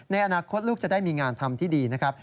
ในอนาคตลูกจะได้มีงานทำที่ดีนะครับ